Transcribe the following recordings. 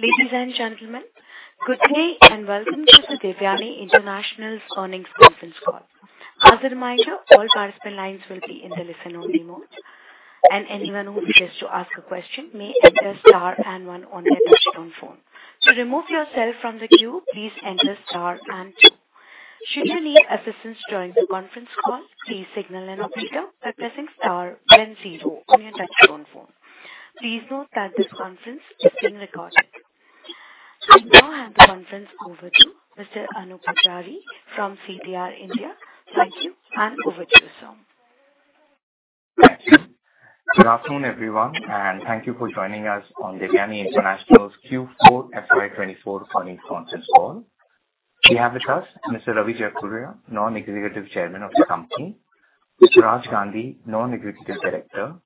Ladies and gentlemen, good day and welcome to the Devyani International's Earnings Conference Call. As a reminder, all participant lines will be in the listen-only mode, and anyone who wishes to ask a question may enter star and one on their touchscreen phone. To remove yourself from the queue, please enter star and two. Should you need assistance during the conference call, please signal an operator by pressing star and zero on your touchscreen phone. Please note that this conference is being recorded. I now hand the conference over to Mr. Anoop Poojari from CDR India. Thank you, and over to you, sir. Thank you. Good afternoon, everyone, and thank you for joining us on Devyani International's Q4 FY24 earnings conference call. We have with us Mr. Ravi Jaipuria, Non-Executive Chairman of the company; Mr. Raj Gandhi, Non-Executive Director;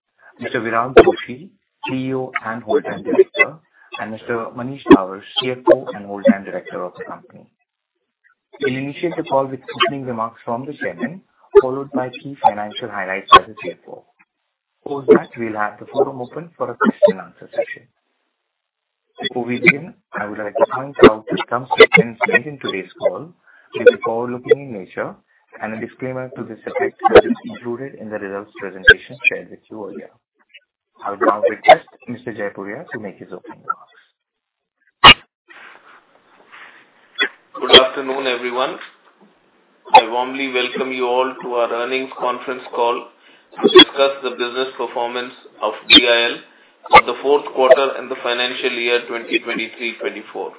Mr. Viral Joshi, CEO and Whole-time Director; and Mr. Manish Dawar, CFO and Whole-time Director of the company. We'll initiate the call with opening remarks from the chairman, followed by key financial highlights as a CFO. Before that, we'll have the forum open for a question-and-answer session. Before we begin, I would like to point out that some statements made in today's call will be forward-looking in nature, and a disclaimer to this effect will be included in the results presentation shared with you earlier. I would now request Mr. Jaipuria to make his opening remarks. Good afternoon, everyone. I warmly welcome you all to our earnings conference call to discuss the business performance of DIL for the fourth quarter and the financial year 2023-2024.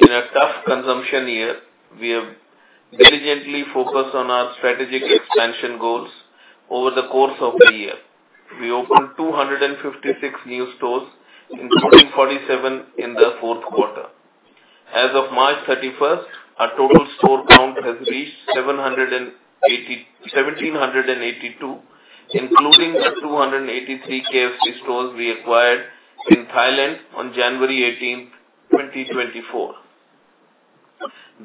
In a tough consumption year, we have diligently focused on our strategic expansion goals over the course of the year. We opened 256 new stores, including 47 in the fourth quarter. As of March 31st, our total store count has reached 1,782, including the 283 KFC stores we acquired in Thailand on January 18th, 2024.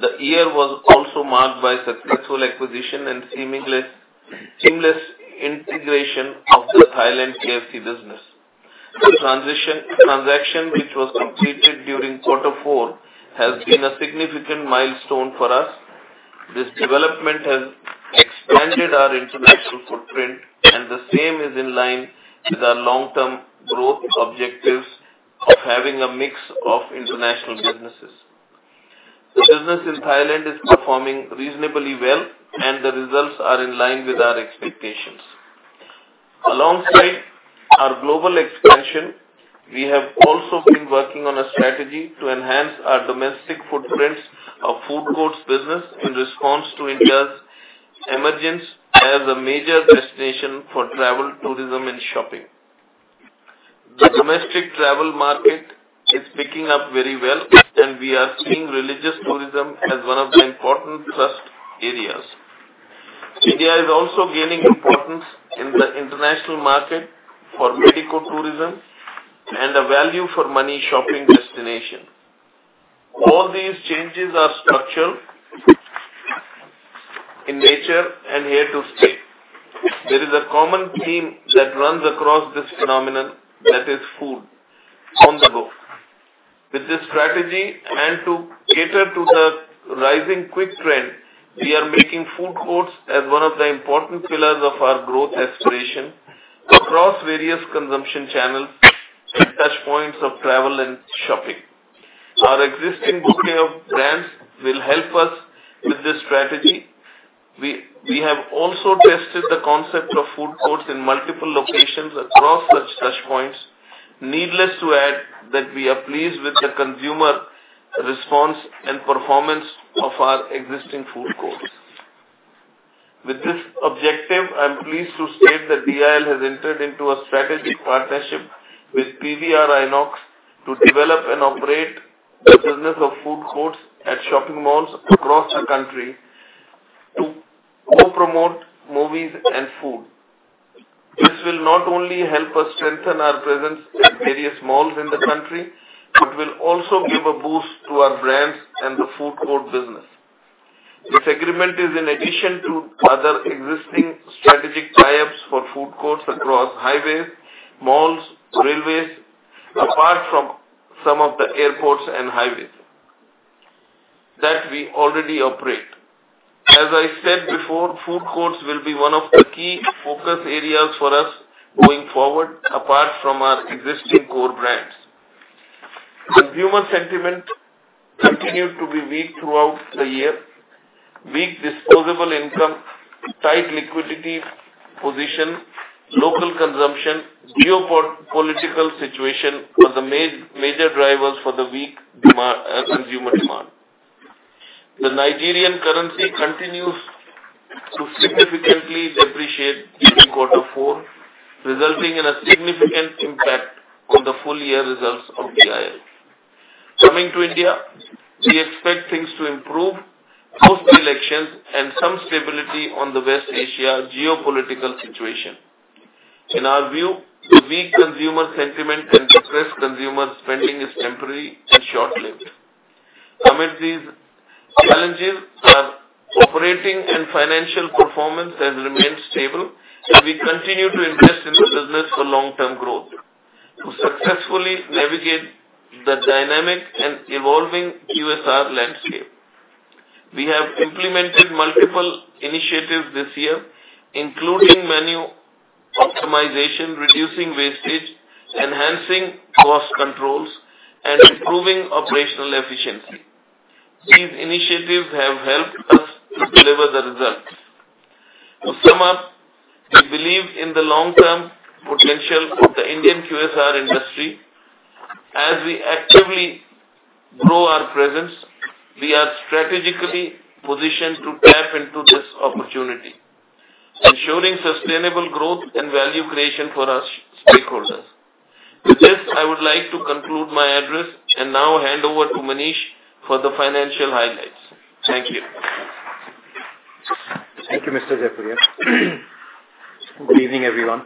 The year was also marked by successful acquisition and seamless integration of the Thailand KFC business. The transaction which was completed during quarter four has been a significant milestone for us. This development has expanded our international footprint, and the same is in line with our long-term growth objectives of having a mix of international businesses. The business in Thailand is performing reasonably well, and the results are in line with our expectations. Alongside our global expansion, we have also been working on a strategy to enhance our domestic footprints of food courts business in response to India's emergence as a major destination for travel, tourism, and shopping. The domestic travel market is picking up very well, and we are seeing religious tourism as one of the important thrust areas. India is also gaining importance in the international market for medical tourism and a value-for-money shopping destination. All these changes are structural in nature and here to stay. There is a common theme that runs across this phenomenon that is food on the go. With this strategy and to cater to the rising quick trend, we are making food courts as one of the important pillars of our growth aspiration across various consumption channels and touchpoints of travel and shopping. Our existing bouquet of brands will help us with this strategy. We have also tested the concept of food courts in multiple locations across such touchpoints, needless to add that we are pleased with the consumer response and performance of our existing food courts. With this objective, I'm pleased to state that DIL has entered into a strategic partnership with PVR INOX to develop and operate the business of food courts at shopping malls across the country to co-promote movies and food. This will not only help us strengthen our presence at various malls in the country but will also give a boost to our brands and the food court business. This agreement is in addition to other existing strategic tie-ups for food courts across highways, malls, railways, apart from some of the airports and highways that we already operate. As I said before, food courts will be one of the key focus areas for us going forward, apart from our existing core brands. Consumer sentiment continued to be weak throughout the year. Weak disposable income, tight liquidity position, local consumption, and geopolitical situation were the major drivers for the weak consumer demand. The Nigerian currency continues to significantly depreciate during quarter four, resulting in a significant impact on the full-year results of DIL. Coming to India, we expect things to improve, post-elections, and some stability on the West Asia geopolitical situation. In our view, the weak consumer sentiment and depressed consumer spending is temporary and short-lived. Amid these challenges, our operating and financial performance has remained stable, and we continue to invest in the business for long-term growth to successfully navigate the dynamic and evolving QSR landscape. We have implemented multiple initiatives this year, including menu optimization, reducing wastage, enhancing cost controls, and improving operational efficiency. These initiatives have helped us to deliver the results. To sum up, we believe in the long-term potential of the Indian QSR industry. As we actively grow our presence, we are strategically positioned to tap into this opportunity, ensuring sustainable growth and value creation for our stakeholders. With this, I would like to conclude my address and now hand over to Manish for the financial highlights. Thank you. Thank you, Mr. Jaipuria. Good evening, everyone.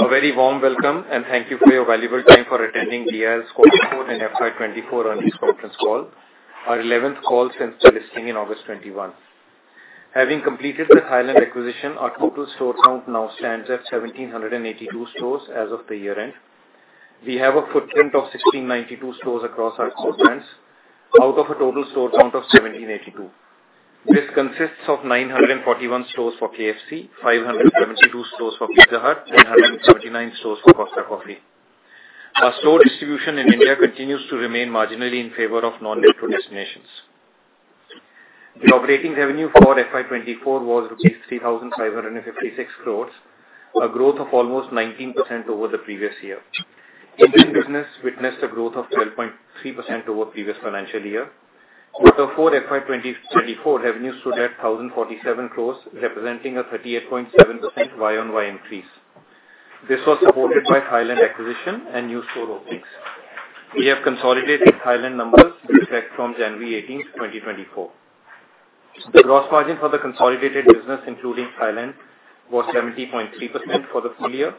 A very warm welcome, and thank you for your valuable time for attending DIL's quarter four and FY24 earnings conference call, our 11th call since the listing in August 2021. Having completed the Thailand acquisition, our total store count now stands at 1,782 stores as of the year-end. We have a footprint of 1,692 stores across our continents, out of a total store count of 1,782. This consists of 941 stores for KFC, 572 stores for Pizza Hut, and 179 stores for Costa Coffee. Our store distribution in India continues to remain marginally in favor of non-metro destinations. The operating revenue for FY24 was rupees 3,556 crores, a growth of almost 19% over the previous year. Indian business witnessed a growth of 12.3% over previous financial year. Quarter four FY24 revenue stood at 1,047 crores, representing a 38.7% year-on-year increase. This was supported by Thailand acquisition and new store openings. We have consolidated Thailand numbers reflect from January 18th, 2024. The gross margin for the consolidated business, including Thailand, was 70.3% for the full year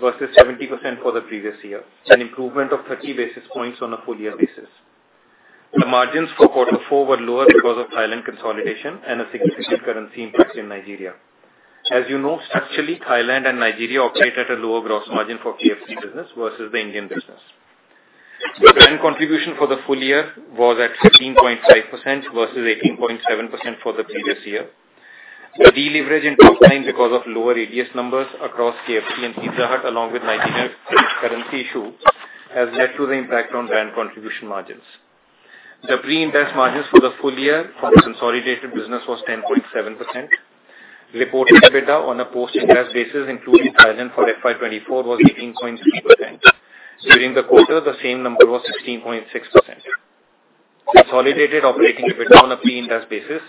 versus 70% for the previous year, an improvement of 30 basis points on a full-year basis. The margins for quarter four were lower because of Thailand consolidation and a significant currency impact in Nigeria. As you know, structurally, Thailand and Nigeria operate at a lower gross margin for KFC business versus the Indian business. The brand contribution for the full year was at 15.5% versus 18.7% for the previous year. The deleverage in top line because of lower ADS numbers across KFC and Pizza Hut, along with Nigeria's currency issue, has led to the impact on brand contribution margins. The pre-Ind AS margins for the full year for the consolidated business was 10.7%. Reported EBITDA on a post-Ind AS basis, including Thailand for FY24, was 18.3%. During the quarter, the same number was 16.6%. Consolidated operating EBITDA on a pre-Ind AS basis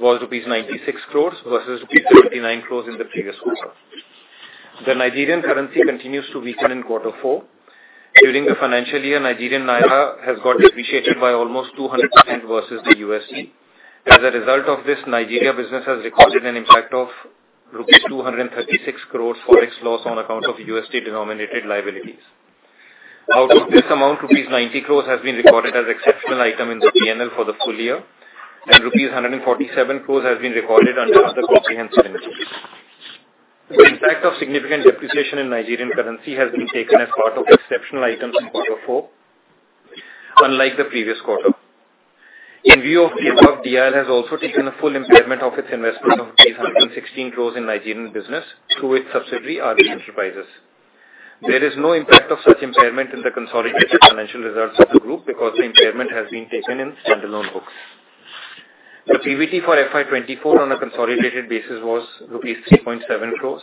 was rupees 96 crores versus rupees 79 crores in the previous quarter. The Nigerian currency continues to weaken in quarter four. During the financial year, Nigerian Naira has got depreciated by almost 200% versus the USD. As a result of this, Nigeria business has recorded an impact of rupees 236 crores forex loss on account of USD-denominated liabilities. Out of this amount, rupees 90 crores has been recorded as an exceptional item in the P&L for the full year, and rupees 147 crores has been recorded under other comprehensive entries. The impact of significant depreciation in Nigerian currency has been taken as part of exceptional items in quarter four, unlike the previous quarter. In view of the above, DIL has also taken a full impairment of its investment of 116 crores in Nigerian business through its subsidiary, R.J. International Private Limited. There is no impact of such impairment in the consolidated financial results of the group because the impairment has been taken in standalone books. The PBT for FY24 on a consolidated basis was rupees 3.7 crores.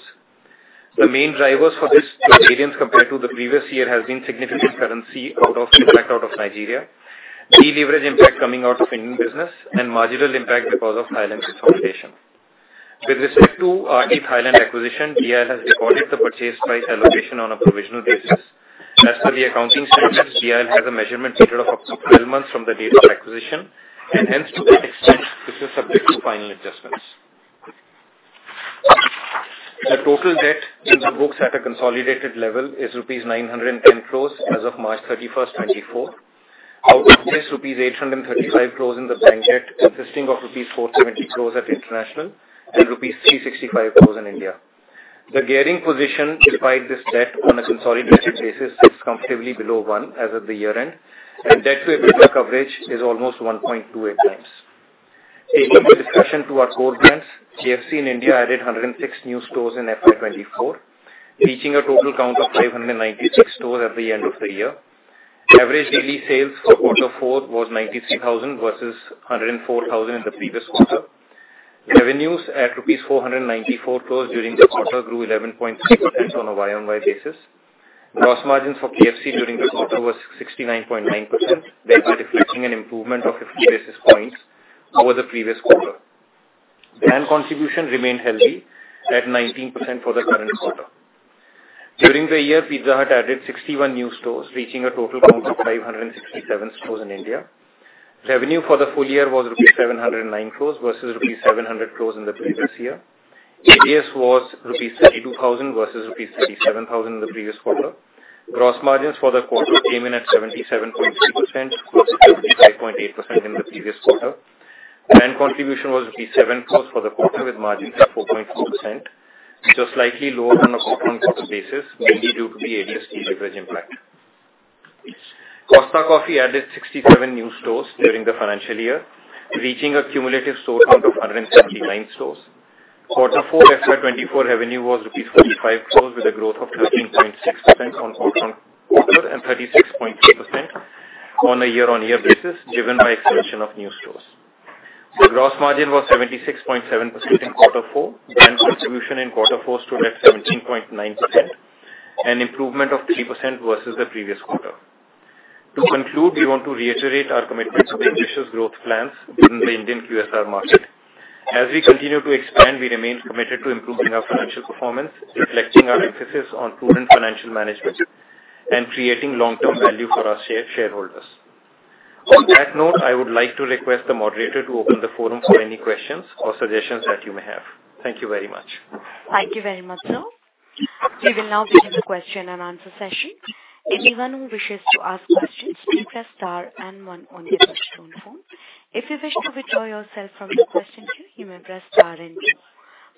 The main drivers for this variance compared to the previous year have been significant currency impact out of Nigeria, deleverage impact coming out of Indian business, and marginal impact because of Thailand consolidation. With respect to the Thailand acquisition, DIL has recorded the purchase price allocation on a provisional basis. As per the accounting standards, DIL has a measurement period of up to 12 months from the date of acquisition, and hence, to that extent, this is subject to final adjustments. The total debt in the books at a consolidated level is rupees 910 crores as of March 31st, 2024. Out of this, rupees 835 crores in the bank debt consisting of rupees 470 crores at international and rupees 365 crores in India. The gearing position, despite this debt on a consolidated basis, sits comfortably below one as of the year-end, and debt-to-EBITDA coverage is almost 1.28 times. Taking the discussion to our core brands, KFC in India added 106 new stores in FY24, reaching a total count of 596 stores at the end of the year. Average daily sales for quarter four was 93,000 versus 104,000 in the previous quarter. Revenues at 494 crores rupees during the quarter grew 11.3% on a year-on-year basis. Gross margins for KFC during the quarter were 69.9%, thereby reflecting an improvement of 50 basis points over the previous quarter. Brand contribution remained healthy at 19% for the current quarter. During the year, Pizza Hut added 61 new stores, reaching a total count of 567 stores in India. Revenue for the full year was rupees 709 crores versus rupees 700 crores in the previous year. ADS was rupees 32,000 versus rupees 37,000 in the previous quarter. Gross margins for the quarter came in at 77.3% versus 75.8% in the previous quarter. Brand contribution was rupees 7 crores for the quarter with margins at 4.2%, just slightly lower on a quarter-on-quarter basis, mainly due to the ADS deleverage impact. Costa Coffee added 67 new stores during the financial year, reaching a cumulative store count of 179 stores. Quarter four FY24 revenue was INR 45 crores with a growth of 13.6% on quarter-on-quarter and 36.3% on a year-on-year basis, driven by the expansion of new stores. The gross margin was 76.7% in quarter four. Brand contribution in quarter four stood at 17.9%, an improvement of 3% versus the previous quarter. To conclude, we want to reiterate our commitment to ambitious growth plans in the Indian QSR market. As we continue to expand, we remain committed to improving our financial performance, reflecting our emphasis on prudent financial management and creating long-term value for our shareholders. On that note, I would like to request the moderator to open the forum for any questions or suggestions that you may have. Thank you very much. Thank you very much, sir. We will now begin the question-and-answer session. Anyone who wishes to ask questions, please press star and one on your touch-tone phone. If you wish to withdraw yourself from the question queue, you may press star and two.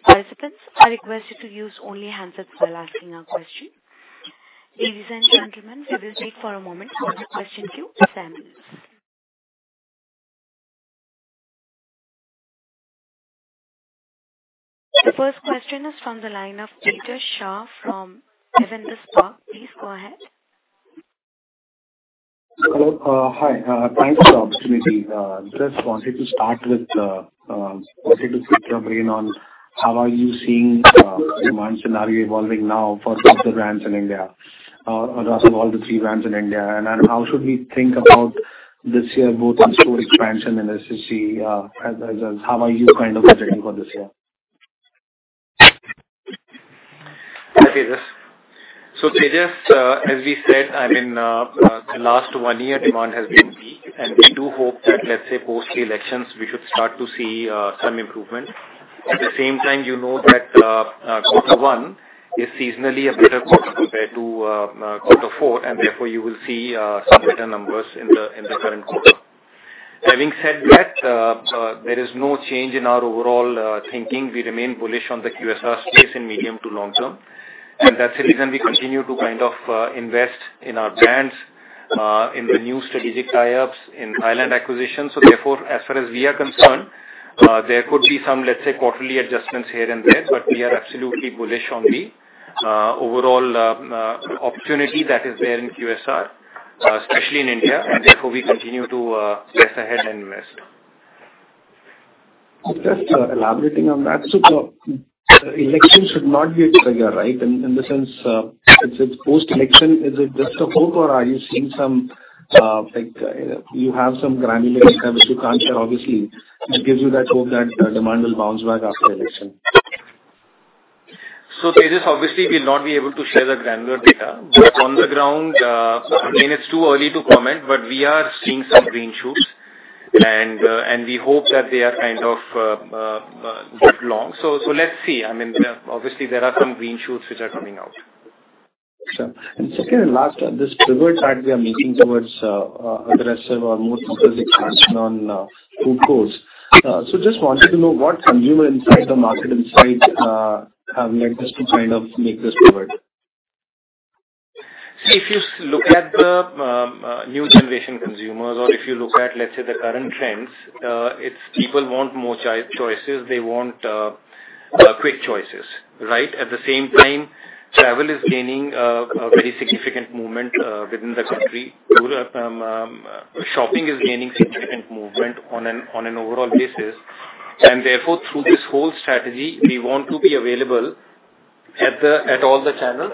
Participants are requested to use only the handset while asking your question. Ladies and gentlemen, we will wait for a moment for the question queue. The first question is from the line of Tejas Shah from Avendus Spark. Please go ahead. Hello. Hi. Thanks for the opportunity. Just wanted to start with, wanted to get your brain on how are you seeing the demand scenario evolving now for the brands in India, or rather all the three brands in India, and how should we think about this year, both in store expansion and SSG? How are you kind of projecting for this year? Hi, Tejas. So, Tejas, as we said, I mean, the last one year, demand has been weak, and we do hope that, let's say, post-elections, we should start to see some improvement. At the same time, you know that quarter one is seasonally a better quarter compared to quarter four, and therefore, you will see some better numbers in the current quarter. Having said that, there is no change in our overall thinking. We remain bullish on the QSR space in medium to long term, and that's the reason we continue to kind of invest in our brands, in the new strategic tie-ups, in Thailand acquisition. So, therefore, as far as we are concerned, there could be some, let's say, quarterly adjustments here and there, but we are absolutely bullish on the overall opportunity that is there in QSR, especially in India, and therefore, we continue to press ahead and invest. Just elaborating on that, sir, the election should not be a trigger, right? In the sense, it's post-election, is it just a hope, or are you seeing some you have some granular data which you can't share, obviously, that gives you that hope that demand will bounce back after election? So, Tejas, obviously, we'll not be able to share the granular data, but on the ground, again, it's too early to comment, but we are seeing some green shoots, and we hope that they are kind of long. So let's see. I mean, obviously, there are some green shoots which are coming out. Sure. And second and last, this pivot that we are making towards aggressive or more compulsive action on food courts. So just wanted to know what consumer insight or market insight have led us to kind of make this pivot? See, if you look at the new generation consumers or if you look at, let's say, the current trends, it's people want more choices. They want quick choices, right? At the same time, travel is gaining a very significant movement within the country. Shopping is gaining significant movement on an overall basis, and therefore, through this whole strategy, we want to be available at all the channels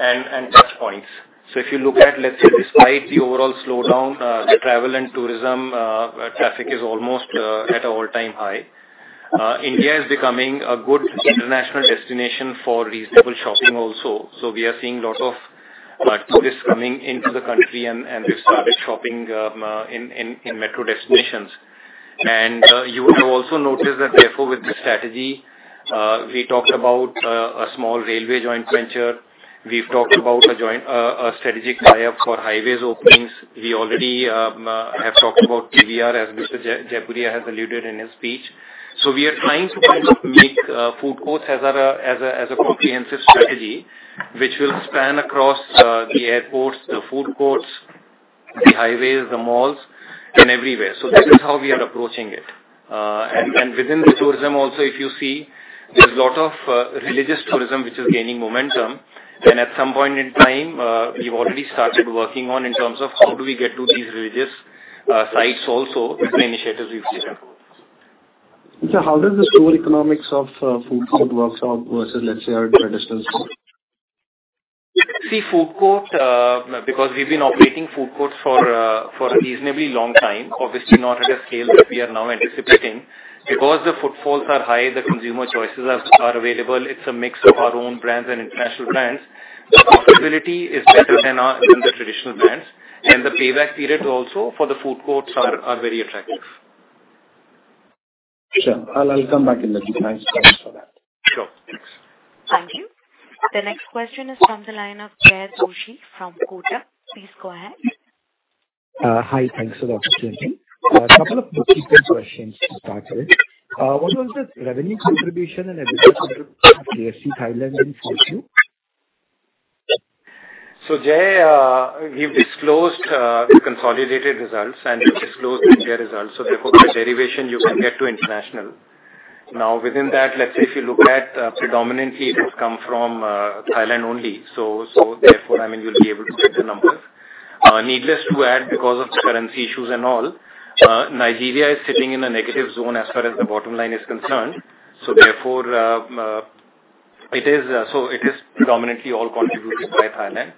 and touchpoints. So if you look at, let's say, despite the overall slowdown, travel and tourism traffic is almost at an all-time high. India is becoming a good international destination for reasonable shopping also. So we are seeing a lot of tourists coming into the country, and they've started shopping in metro destinations. And you will have also noticed that, therefore, with this strategy, we talked about a small railway joint venture. We've talked about a strategic tie-up for highways openings. We already have talked about PVR, as Mr. Jaipuria has alluded in his speech. So we are trying to kind of make food courts as a comprehensive strategy which will span across the airports, the food courts, the highways, the malls, and everywhere. So this is how we are approaching it. And within the tourism also, if you see, there's a lot of religious tourism which is gaining momentum, and at some point in time, we've already started working on in terms of how do we get to these religious sites also with the initiatives we've taken. Sir, how does the store economics of food court work out versus, let's say, our traditional store? See, food court because we've been operating food courts for a reasonably long time, obviously, not at a scale that we are now anticipating. Because the footfalls are high, the consumer choices are available. It's a mix of our own brands and international brands. The profitability is better than the traditional brands, and the payback period also for the food courts are very attractive. Sure. I'll come back in a bit. Thanks so much for that. Sure. Thanks. Thank you. The next question is from the line of Jaykumar Doshi from Kotak. Please go ahead. Hi. Thanks for the opportunity. A couple of quick questions to start with. What was the revenue contribution and EBITDA contribution of KFC Thailand in Q4? So, Jay, we've disclosed the consolidated results, and we've disclosed the India results. So, therefore, by derivation, you can get to international. Now, within that, let's say if you look at predominantly, it has come from Thailand only. So, therefore, I mean, you'll be able to get the numbers. Needless to say, because of the currency issues and all, Nigeria is sitting in a negative zone as far as the bottom line is concerned. So, therefore, it is predominantly all contributed by Thailand.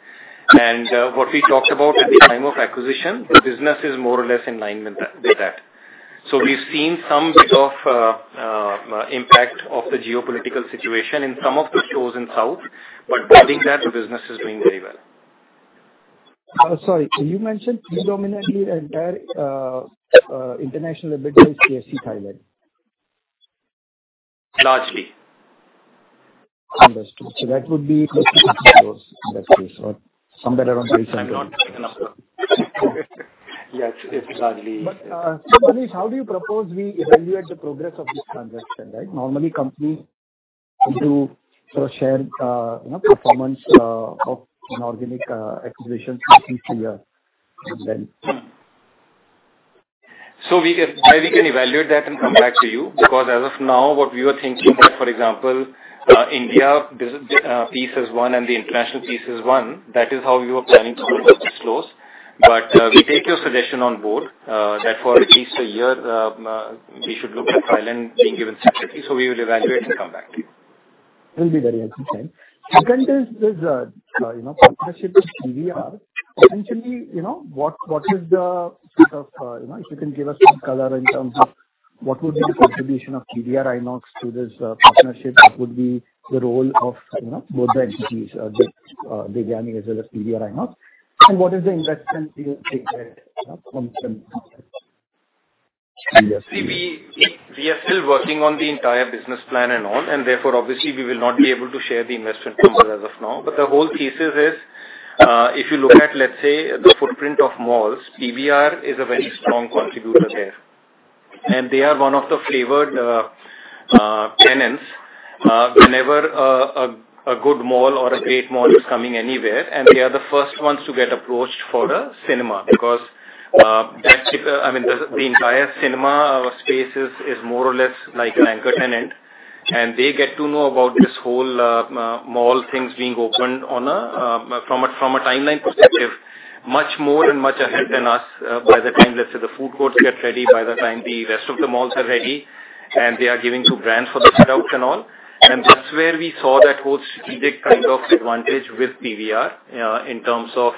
And what we talked about at the time of acquisition, the business is more or less in line with that. So we've seen some bit of impact of the geopolitical situation in some of the stores in South, but beyond that, the business is doing very well. Sorry. You mentioned predominantly entire international availability is KFC Thailand? Largely. Understood. So that would be close to 50 stores in that case, or somewhere around 30,000. I'm not making up stuff. Yeah, it's largely. But, Manish, how do you propose we evaluate the progress of this transaction, right? Normally, companies do sort of share performance of an organic acquisition from year to year, and then. So maybe we can evaluate that and come back to you because, as of now, what we were thinking that, for example, India piece is one and the international piece is one, that is how we were planning to look at the silos. But we take your suggestion on board that for at least a year, we should look at Thailand being given separately. So we will evaluate and come back to you. It'll be very helpful, Sam. Second is this partnership with PVR. Essentially, what is the sort of if you can give us some color in terms of what would be the contribution of PVR INOX to this partnership? What would be the role of both the entities, Devyani as well as PVR INOX, and what is the investment you think that comes from PVR? See, we are still working on the entire business plan and all, and therefore, obviously, we will not be able to share the investment number as of now. But the whole thesis is if you look at, let's say, the footprint of malls, PVR is a very strong contributor there, and they are one of the favored tenants whenever a good mall or a great mall is coming anywhere, and they are the first ones to get approached for a cinema because that, I mean, the entire cinema space is more or less like an anchor tenant, and they get to know about this whole mall things being opened from a timeline perspective much more and much ahead than us. By the time, let's say, the food courts get ready, by the time the rest of the malls are ready, and they are giving to brands for the setups and all. And that's where we saw that whole strategic kind of advantage with PVR in terms of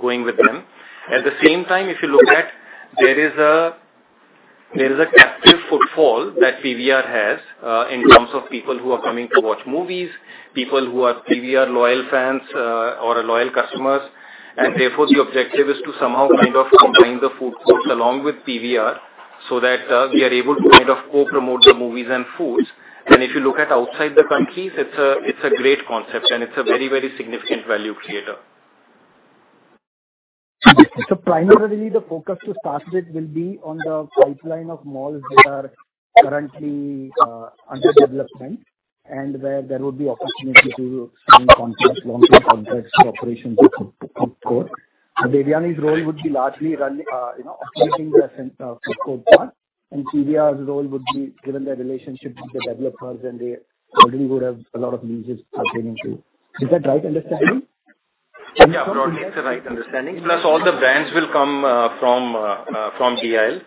going with them. At the same time, if you look at there is a captive footfall that PVR has in terms of people who are coming to watch movies, people who are PVR loyal fans or loyal customers, and therefore, the objective is to somehow kind of combine the food courts along with PVR so that we are able to kind of co-promote the movies and foods. And if you look at outside the countries, it's a great concept, and it's a very, very significant value creator. Primarily, the focus to start with will be on the pipeline of malls that are currently under development and where there would be opportunity to sign long-term contracts for operations of food court. Devyani's role would be largely operating the food court part, and PVR's role would be, given their relationship with the developers, and they already would have a lot of leases pertaining to. Is that right understanding? Yeah, broadly, it's the right understanding. Plus, all the brands will come from DIL,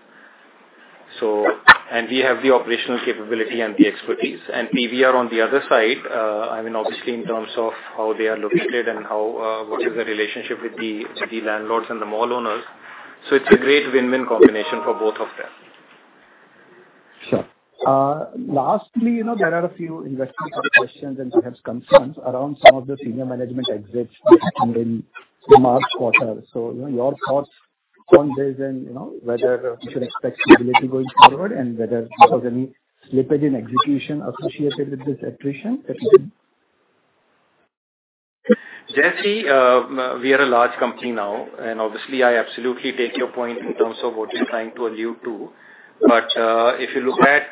and we have the operational capability and the expertise. And PVR, on the other side, I mean, obviously, in terms of how they are looking at it and what is the relationship with the landlords and the mall owners. So it's a great win-win combination for both of them. Sure. Lastly, there are a few investment questions and perhaps concerns around some of the senior management exits in March quarter. So your thoughts on this and whether we should expect stability going forward and whether there was any slippage in execution associated with this attrition that we should? Doshi, we are a large company now, and obviously, I absolutely take your point in terms of what you're trying to allude to. But if you look at,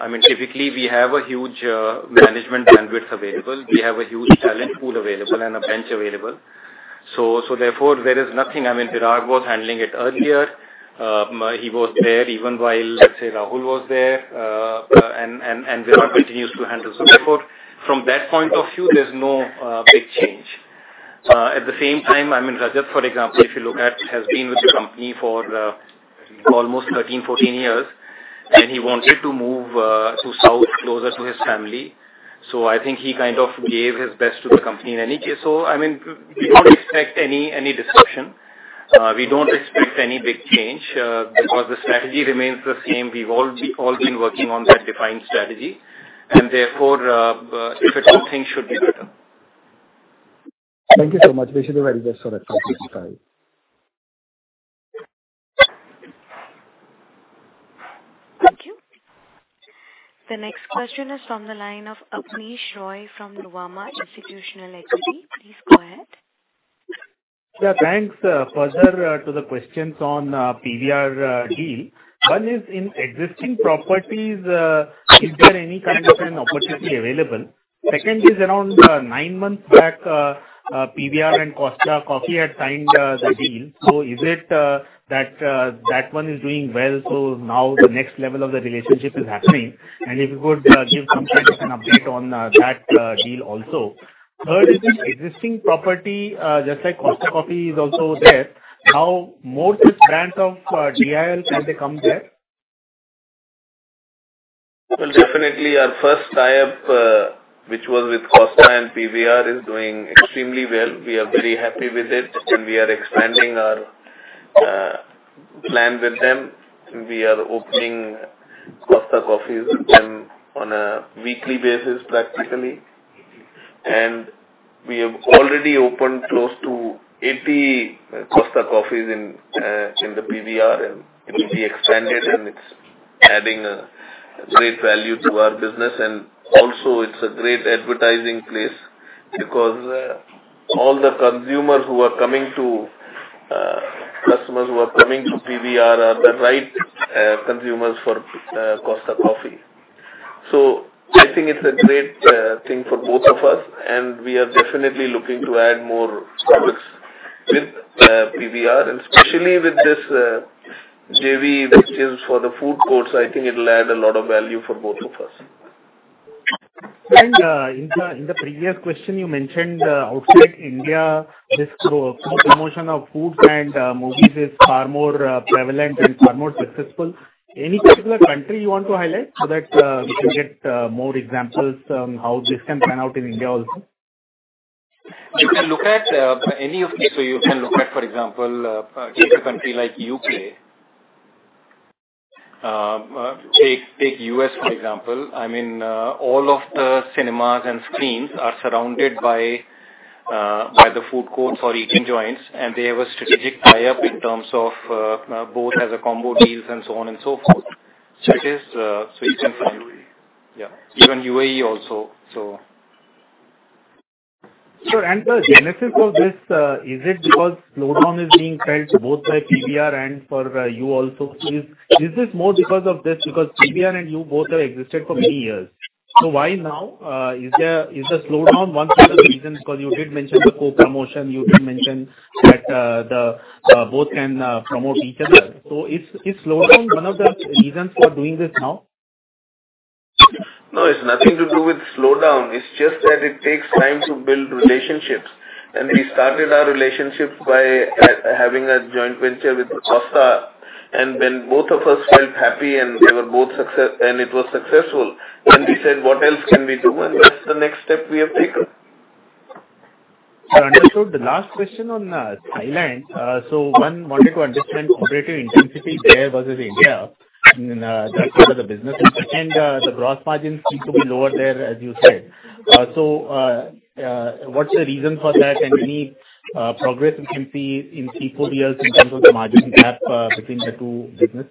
I mean, typically, we have a huge management bandwidth available. We have a huge talent pool available and a bench available. So, therefore, there is nothing, I mean, Viral was handling it earlier. He was there even while, let's say, Rahul was there, and Viral continues to handle. So, therefore, from that point of view, there's no big change. At the same time, I mean, Rajat, for example, if you look at, has been with the company for almost 13-14 years, and he wanted to move to South closer to his family. So I think he kind of gave his best to the company in any case. So, I mean, we don't expect any disruption. We don't expect any big change because the strategy remains the same. We've all been working on that defined strategy, and therefore, if at all, things should be better. Thank you so much. We should do very well so that something is fine. Thank you. The next question is from the line of Abneesh Roy from Nuvama Institutional Equities. Please go ahead. Yeah, thanks, Further, to the questions on PVR deal. One is, in existing properties, is there any kind of an opportunity available? Second is, around nine months back, PVR and Costa Coffee had signed the deal. So is it that one is doing well so now the next level of the relationship is happening? And if you could give some kind of an update on that deal also. Third is, in existing property, just like Costa Coffee is also there, now more such brands of DIL, can they come there? Well, definitely, our first tie-up which was with Costa and PVR is doing extremely well. We are very happy with it, and we are expanding our plan with them. We are opening Costa Coffees with them on a weekly basis, practically, and we have already opened close to 80 Costa Coffees in the PVR, and it will be expanded, and it's adding great value to our business. And also, it's a great advertising place because all the consumers who are coming to customers who are coming to PVR are the right consumers for Costa Coffee. So I think it's a great thing for both of us, and we are definitely looking to add more products with PVR, and especially with this JV which is for the food courts, I think it'll add a lot of value for both of us. In the previous question, you mentioned outside India, this promotion of foods and movies is far more prevalent and far more successful. Any particular country you want to highlight so that we can get more examples on how this can pan out in India also? If you look at any of these, so you can look at, for example, take a country like U.K., take U.S., for example. I mean, all of the cinemas and screens are surrounded by the food courts or eating joints, and they have a strategic tie-up in terms of both as a combo deals and so on and so forth. So you can find, yeah, even UAE also, so. Sir, and the genesis of this, is it because slowdown is being felt both by PVR and for you also? Is this more because of this because PVR and you both have existed for many years? So why now? Is the slowdown one sort of reason because you did mention the co-promotion? You did mention that both can promote each other. So is slowdown one of the reasons for doing this now? No, it's nothing to do with slowdown. It's just that it takes time to build relationships. We started our relationships by having a joint venture with Costa, and then both of us felt happy, and they were both success and it was successful. We said, "What else can we do?" That's the next step we have taken. Sir, understood. The last question on Thailand. So one wanted to understand operational intensity there versus India. That's part of the business. And the gross margins seem to be lower there, as you said. So what's the reason for that, and any progress we can see in 3-4 years in terms of the margin gap between the two businesses?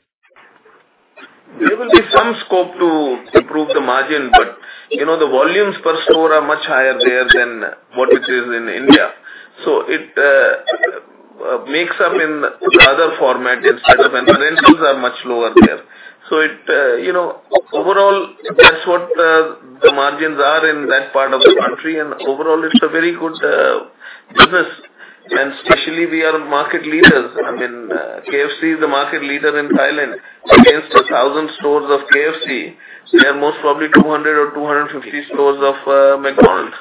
There will be some scope to improve the margin, but the volumes per store are much higher there than what it is in India. So it makes up in the other format instead of. And rentals are much lower there. So overall, that's what the margins are in that part of the country, and overall, it's a very good business. And especially, we are market leaders. I mean, KFC is the market leader in Thailand. Against 1,000 stores of KFC, there are most probably 200 or 250 stores of McDonald's.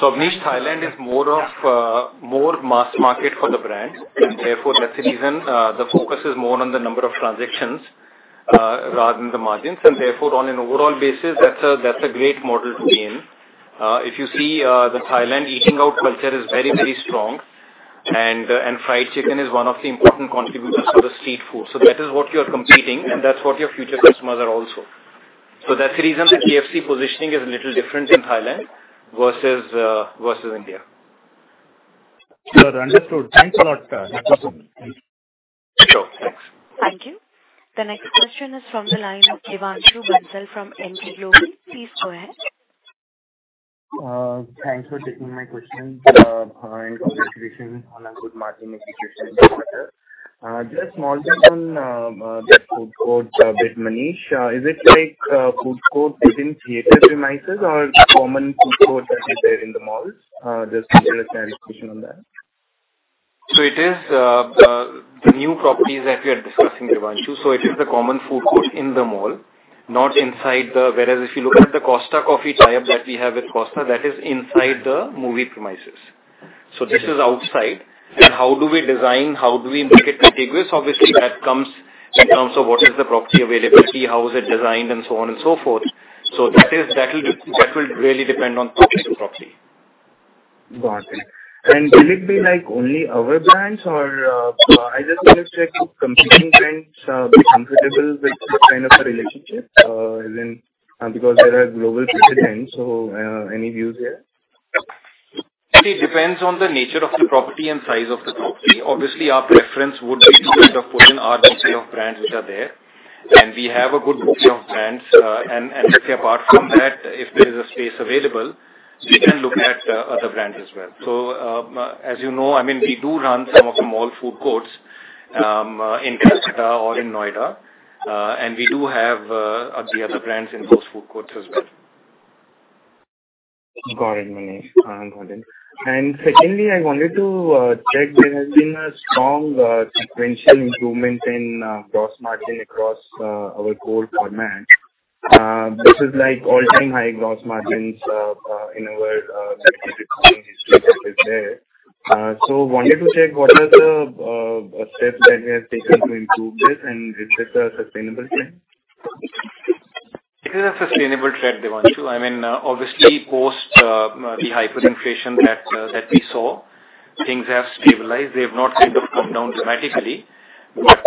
So Abneesh, Thailand is more mass market for the brands, and therefore, that's the reason the focus is more on the number of transactions rather than the margins. And therefore, on an overall basis, that's a great model to be in. If you see the Thailand eating-out culture is very, very strong, and fried chicken is one of the important contributors for the street food. So that is what you are competing, and that's what your future customers are also. So that's the reason the KFC positioning is a little different in Thailand versus India. Sir, understood. Thanks a lot, Mr. Jaipuria. Sure. Thanks. Thank you. The next question is from the line of Devanshu Bansal from Emkay Global. Please go ahead. Thanks for taking my question and congratulations on a good marketing execution in this matter. Just small thing on the food court a bit, Manish. Is it food court within theater premises or common food court that is there in the malls? Just give us an explanation on that. It is the new properties that we are discussing, Devanshu. It is the common food court in the mall, not inside the whereas if you look at the Costa Coffee tie-up that we have with Costa, that is inside the movie premises. This is outside. How do we design? How do we make it contiguous? Obviously, that comes in terms of what is the property availability, how is it designed, and so on and so forth. That will really depend on the property. Got it. Will it be only other brands, or I just want to check if competing brands will be comfortable with this kind of a relationship because there are global precedents, so any views there? See, it depends on the nature of the property and size of the property. Obviously, our preference would be to kind of put in our bouquet of brands which are there, and we have a good bouquet of brands. Let's say, apart from that, if there is a space available, we can look at other brands as well. As you know, I mean, we do run some of the mall food courts in Kolkata or in Noida, and we do have the other brands in those food courts as well. Got it, Manish. I understand. And secondly, I wanted to check there has been a strong sequential improvement in gross margin across our core format. This is all-time high gross margins in our marketing history that is there. So wanted to check what are the steps that we have taken to improve this, and is this a sustainable trend? It is a sustainable trend, Devanshu. I mean, obviously, post the hyperinflation that we saw, things have stabilized. They have not kind of come down dramatically, but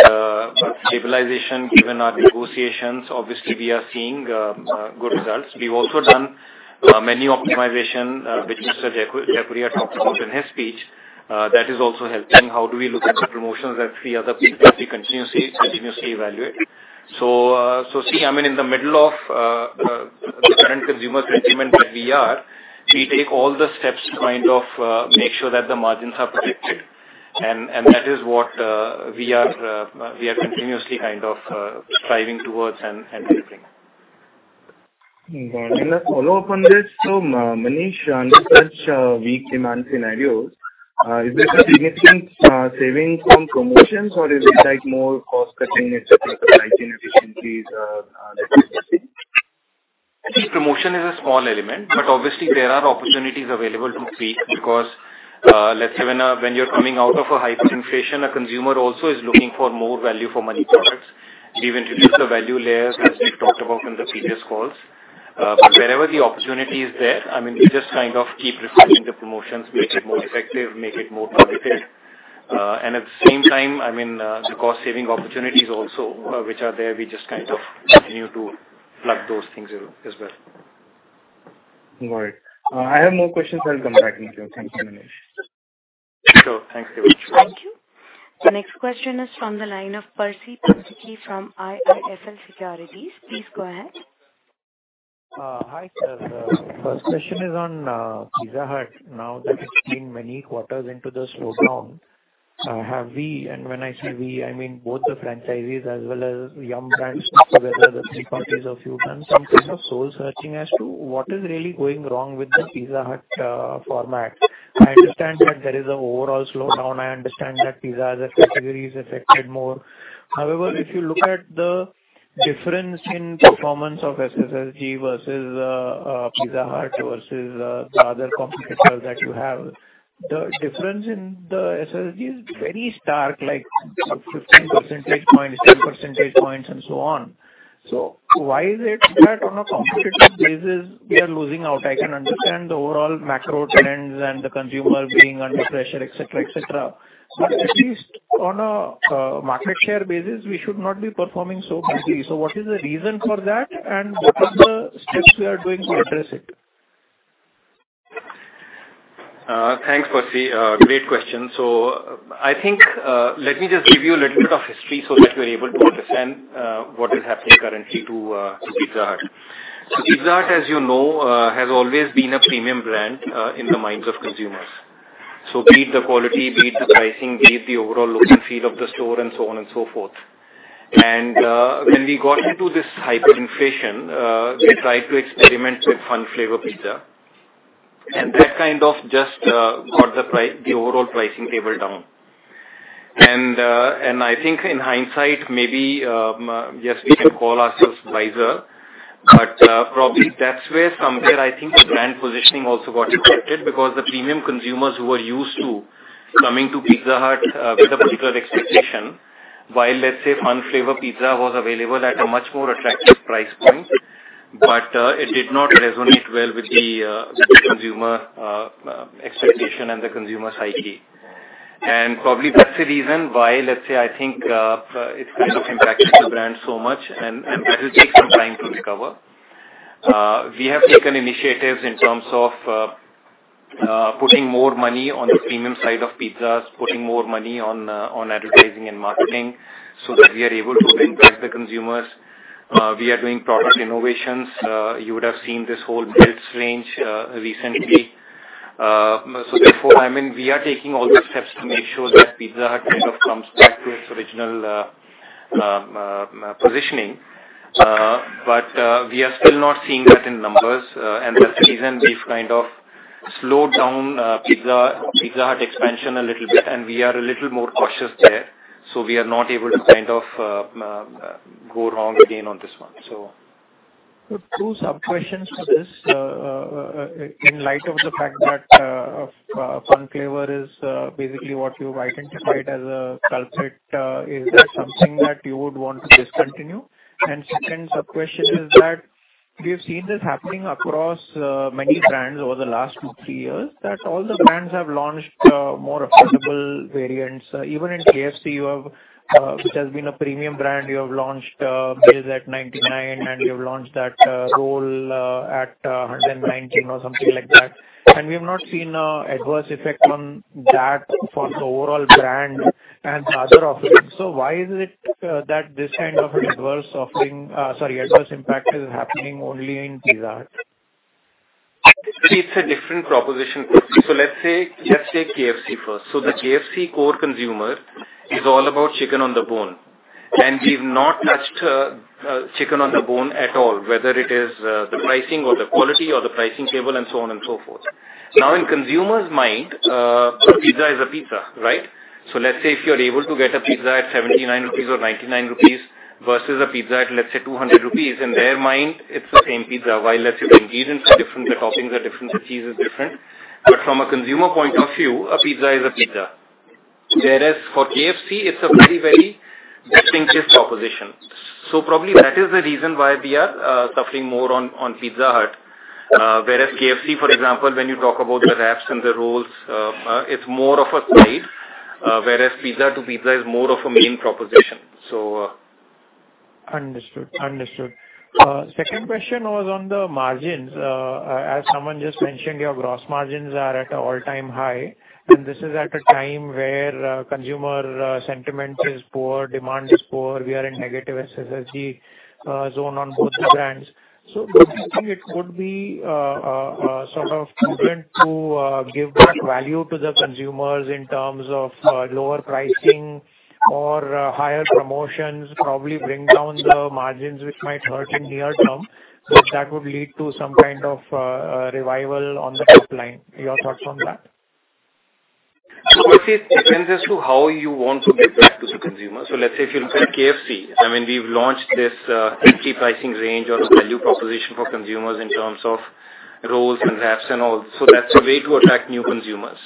stabilization, given our negotiations, obviously, we are seeing good results. We've also done many optimizations which Mr. Jaipuria talked about in his speech. That is also helping. How do we look at the promotions? That's the other piece that we continuously evaluate. So see, I mean, in the middle of the current consumer sentiment that we are, we take all the steps to kind of make sure that the margins are protected, and that is what we are continuously kind of striving towards and delivering. Then a follow-up on this. Manish, under such weak demand scenarios, is there a significant savings from promotions, or is it more cost-cutting, etc., supply chain efficiencies that you're seeing? I think promotion is a small element, but obviously, there are opportunities available to speak because, let's say, when you're coming out of a hyperinflation, a consumer also is looking for more value-for-money products. We've introduced the value layers, as we've talked about in the previous calls. But wherever the opportunity is there, I mean, we just kind of keep refining the promotions, make it more effective, make it more targeted. At the same time, I mean, the cost-saving opportunities also, which are there, we just kind of continue to plug those things as well. Right. I have more questions. I'll come back into your things, Manish. Sure. Thanks very much. Thank you. The next question is from the line of Percy Panthaki from IIFL Securities. Please go ahead. Hi, sir. First question is on Pizza Hut. Now that it's been many quarters into the slowdown, have we and when I say we, I mean both the franchises as well as Yum Brands together, the three parties of you, done some kind of soul-searching as to what is really going wrong with the Pizza Hut format? I understand that there is an overall slowdown. I understand that pizza as a category is affected more. However, if you look at the difference in performance of SSSG versus Pizza Hut versus the other competitors that you have, the difference in the SSSG is very stark, like 15 percentage points, 10 percentage points, and so on. So why is it that on a competitive basis, we are losing out? I can understand the overall macro trends and the consumer being under pressure, etc., etc. But at least on a market share basis, we should not be performing so badly. So what is the reason for that, and what are the steps we are doing to address it? Thanks, Percy. Great question. So I think let me just give you a little bit of history so that you are able to understand what is happening currently to Pizza Hut. So Pizza Hut, as you know, has always been a premium brand in the minds of consumers. So be it the quality, be it the pricing, be it the overall look and feel of the store, and so on and so forth. And when we got into this hyperinflation, we tried to experiment with Fun Flavor Pizza, and that kind of just got the overall pricing table down. I think in hindsight, maybe, yes, we can call ourselves buyers, but probably that's where somewhere, I think, the brand positioning also got affected because the premium consumers who were used to coming to Pizza Hut with a particular expectation, while, let's say, Flavour Fun Pizza was available at a much more attractive price point, but it did not resonate well with the consumer expectation and the consumer psyche. Probably that's the reason why, let's say, I think it's kind of impacted the brand so much, and that will take some time to recover. We have taken initiatives in terms of putting more money on the premium side of pizzas, putting more money on advertising and marketing so that we are able to bring back the consumers. We are doing product innovations. You would have seen this whole Melts range recently. So therefore, I mean, we are taking all the steps to make sure that Pizza Hut kind of comes back to its original positioning, but we are still not seeing that in numbers. And that's the reason we've kind of slowed down Pizza Hut expansion a little bit, and we are a little more cautious there. So we are not able to kind of go wrong again on this one, so. Two sub-questions for this. In light of the fact that Flavour Fun is basically what you've identified as a culprit, is that something that you would want to discontinue? And second sub-question is that we have seen this happening across many brands over the last 2-3 years, that all the brands have launched more affordable variants. Even in KFC, which has been a premium brand, you have launched meals at 99, and you've launched that roll at 119 or something like that. And we have not seen an adverse effect on that for the overall brand and the other offerings. Why is it that this kind of an adverse offering sorry, adverse impact is happening only in Pizza Hut? See, it's a different proposition, Percy. So let's take KFC first. So the KFC core consumer is all about chicken on the bone, and we've not touched chicken on the bone at all, whether it is the pricing or the quality or the pricing table and so on and so forth. Now, in consumers' mind, pizza is a pizza, right? So let's say if you're able to get a pizza at 79 rupees or 99 rupees versus a pizza at, let's say, 200 rupees, in their mind, it's the same pizza while, let's say, the ingredients are different, the toppings are different, the cheese is different. But from a consumer point of view, a pizza is a pizza. Whereas for KFC, it's a very, very distinctive proposition. So probably that is the reason why we are suffering more on Pizza Hut. Whereas KFC, for example, when you talk about the wraps and the rolls, it's more of a side, whereas pizza to pizza is more of a main proposition, so. Understood. Understood. Second question was on the margins. As someone just mentioned, your gross margins are at an all-time high, and this is at a time where consumer sentiment is poor, demand is poor. We are in negative SSSG zone on both the brands. So do you think it would be sort of prudent to give back value to the consumers in terms of lower pricing or higher promotions, probably bring down the margins, which might hurt in the near term, that that would lead to some kind of revival on the top line? Your thoughts on that? So Percy, it depends as to how you want to give back to the consumer. So let's say if you look at KFC, I mean, we've launched this entry-pricing range or the value proposition for consumers in terms of Rolls and Wraps and all. So that's a way to attract new consumers,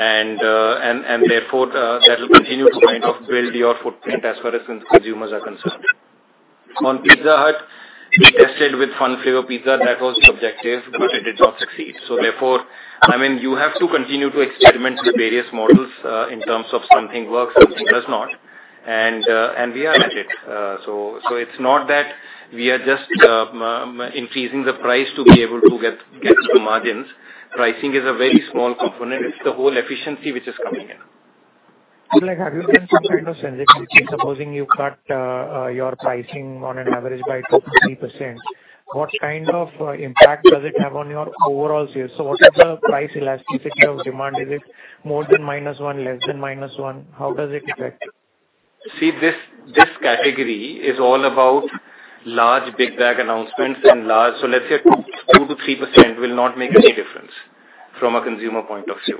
and therefore, that will continue to kind of build your footprint as far as consumers are concerned. On Pizza Hut, we tested with Flavour Fun Pizza. That was the objective, but it did not succeed. So therefore, I mean, you have to continue to experiment with various models in terms of something works, something does not, and we are at it. So it's not that we are just increasing the price to be able to get to the margins. Pricing is a very small component. It's the whole efficiency which is coming in. So have you done some kind of sensitivity? Supposing you've cut your pricing on an average by 2%-3%, what kind of impact does it have on your overall sales? So what is the price elasticity of demand? Is it more than -1, less than -1? How does it affect? See, this category is all about large, big bag announcements, and large so let's say a 2%-3% will not make any difference from a consumer point of view.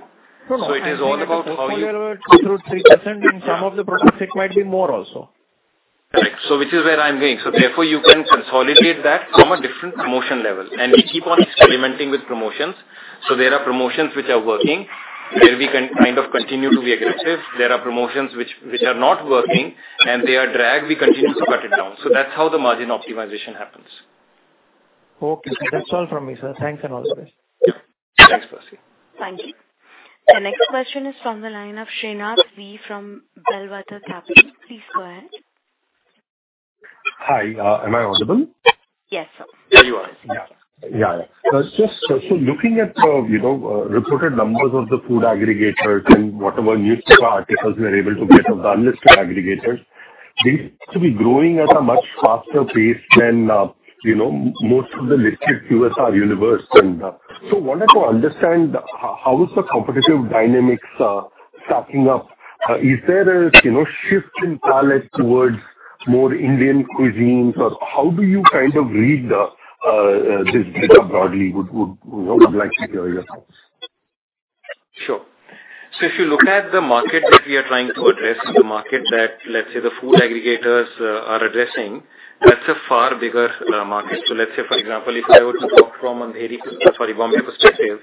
So it is all about how you. Flavour Fun is 2%-3%, and some of the products, it might be more also. Correct. So, which is where I'm going. So therefore, you can consolidate that from a different promotion level. And we keep on experimenting with promotions. So there are promotions which are working, where we can kind of continue to be aggressive. There are promotions which are not working, and they are dragged. We continue to cut it down. So that's how the margin optimization happens. Okay. That's all from me, sir. Thanks and all the best. Yeah. Thanks, Percy. Thank you. The next question is from the line of Srinath V from Bellwether Capital. Please go ahead. Hi. Am I audible? Yes, sir. Yeah, you are. Yeah. Yeah, yeah. So looking at reported numbers of the food aggregators and whatever newspaper articles we are able to get of the unlisted aggregators, these seem to be growing at a much faster pace than most of the listed QSR universe. And so I wanted to understand how is the competitive dynamics stacking up? Is there a shift in palate towards more Indian cuisines, or how do you kind of read this data broadly? I would like to hear your thoughts. Sure. So if you look at the market that we are trying to address, the market that, let's say, the food aggregators are addressing, that's a far bigger market. So let's say, for example, if I were to talk from a Bombay perspective,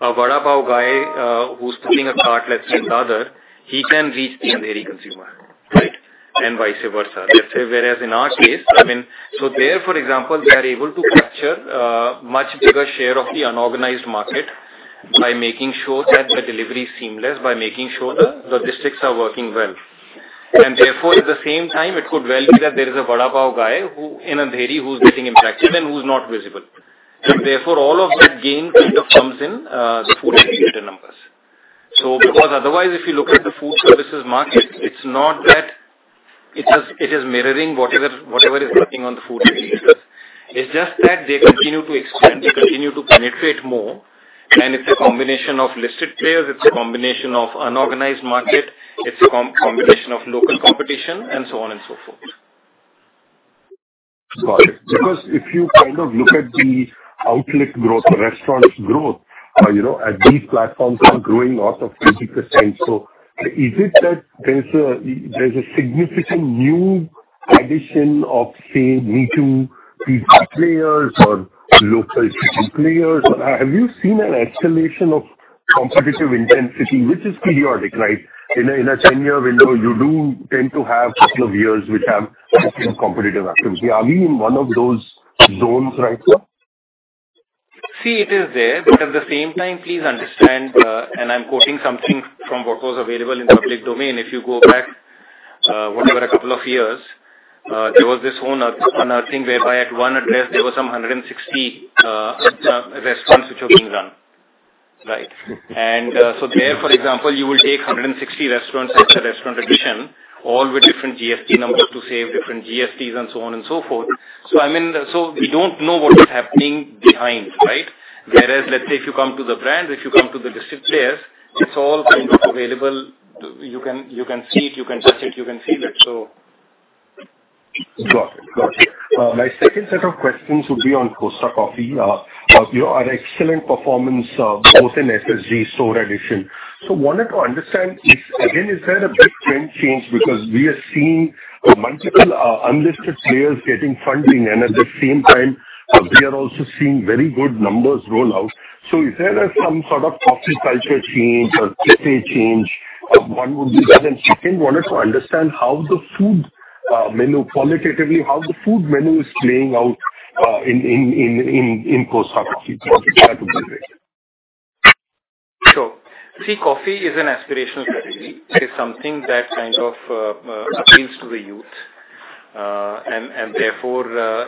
a Vada Pav guy who's putting a cart, let's say, in Naka, he can reach the Andheri consumer, right, and vice versa. Let's say, whereas in our case, I mean so there, for example, they are able to capture a much bigger share of the unorganized market by making sure that the delivery is seamless, by making sure the logistics are working well. And therefore, at the same time, it could well be that there is a Vada Pav guy in Andheri who's getting impacted and who's not visible. And therefore, all of that gain kind of comes in the food aggregator numbers. So because otherwise, if you look at the food services market, it's not that it is mirroring whatever is happening on the food aggregators. It's just that they continue to expand, they continue to penetrate more, and it's a combination of listed players, it's a combination of unorganized market, it's a combination of local competition, and so on and so forth. Got it. Because if you kind of look at the outlet growth, the restaurants' growth, at these platforms, they're growing off of 50%. So is it that there's a significant new addition of, say, me-too pizza players or local street players? Have you seen an escalation of competitive intensity, which is periodic, right? In a 10-year window, you do tend to have a couple of years which have competitive activity. Are we in one of those zones right now? See, it is there, but at the same time, please understand, and I'm quoting something from what was available in public domain. If you go back, whatever, a couple of years, there was this unearthing whereby at one address, there were some 160 restaurants which were being run, right? And so there, for example, you will take 160 restaurants as a restaurant addition, all with different GST numbers to save different GSTs and so on and so forth. So I mean, so we don't know what is happening behind, right? Whereas, let's say, if you come to the brands, if you come to the listed players, it's all kind of available. You can see it. You can touch it. You can feel it, so. Got it. Got it. My second set of questions would be on Costa Coffee. An excellent performance both in SSSG store addition. So I wanted to understand, again, is there a big trend change because we are seeing multiple unlisted players getting funding, and at the same time, we are also seeing very good numbers roll out. So is there some sort of coffee culture change or café change? One would be that. And second, I wanted to understand how the food menu qualitatively, how the food menu is playing out in Costa Coffee. That would be great. Sure. See, coffee is an aspirational category. It is something that kind of appeals to the youth, and therefore,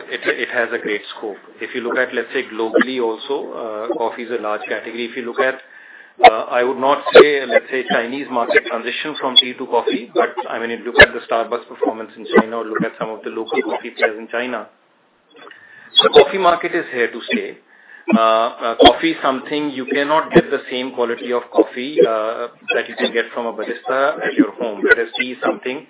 it has a great scope. If you look at, let's say, globally also, coffee is a large category. If you look at I would not say, let's say, Chinese market transition from tea to coffee, but I mean, if you look at the Starbucks performance in China or look at some of the local coffee players in China, the coffee market is here to stay. Coffee is something you cannot get the same quality of coffee that you can get from a barista at your home. Whereas tea is something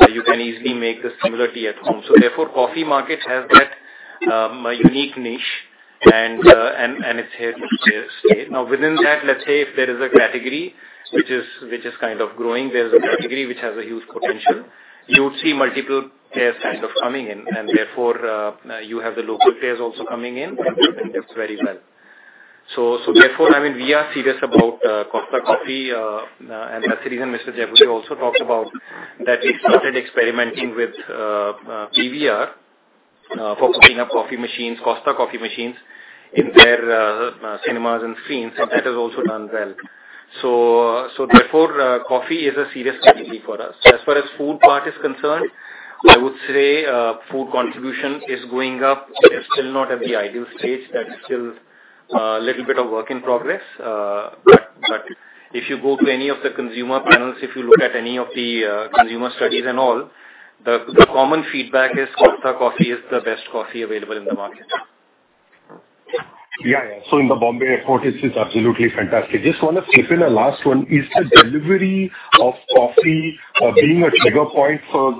that you can easily make the similar tea at home. So therefore, coffee market has that unique niche, and it's here to stay. Now, within that, let's say if there is a category which is kind of growing, there is a category which has a huge potential, you would see multiple players kind of coming in. And therefore, you have the local players also coming in and doing it very well. So therefore, I mean, we are serious about Costa Coffee. And that's the reason Mr. Jaipuria also talked about that we started experimenting with PVR for putting up Costa Coffee machines in their cinemas and screens, and that has also done well. So therefore, coffee is a serious category for us. As far as food part is concerned, I would say food contribution is going up. It is still not at the ideal stage. That's still a little bit of work in progress. If you go to any of the consumer panels, if you look at any of the consumer studies and all, the common feedback is Costa Coffee is the best coffee available in the market. Yeah, yeah. So in the Mumbai effort, it's absolutely fantastic. Just want to squeeze in a last one. Is the delivery of coffee being a trigger point for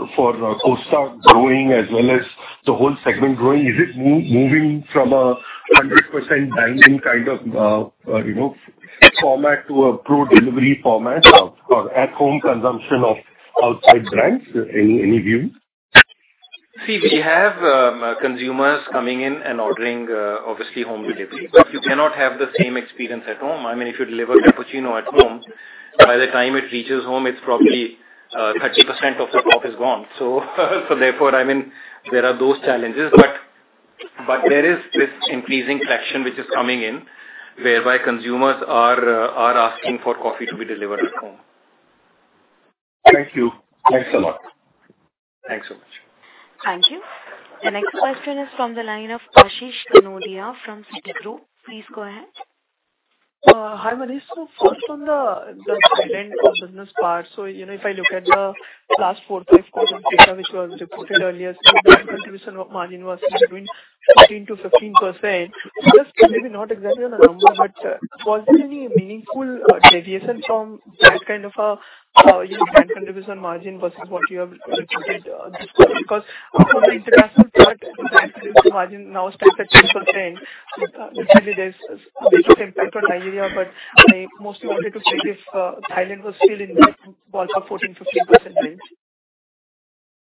Costa growing as well as the whole segment growing? Is it moving from a 100% dine-in kind of format to a pure delivery format or at-home consumption of outside brands? Any views? See, we have consumers coming in and ordering, obviously, home delivery, but you cannot have the same experience at home. I mean, if you deliver cappuccino at home, by the time it reaches home, it's probably 30% of the coffee is gone. So therefore, I mean, there are those challenges. But there is this increasing traction which is coming in whereby consumers are asking for coffee to be delivered at home. Thank you. Thanks a lot. Thanks so much. Thank you. The next question is from the line of Ashish Kanodia from Citi. Please go ahead. Hi, Manish. So first, on the India business part, so if I look at the last 4-5 quarters data which was reported earlier, see, brand contribution margin was between 14%-15%. So that's maybe not exactly on a number, but was there any meaningful deviation from that kind of a brand contribution margin versus what you have reported this month? Because on the international part, the brand contribution margin now stays at 10%. Definitely, there's a big impact on Nigeria, but I mostly wanted to see if Thailand was still in that ballpark 14%-15% range.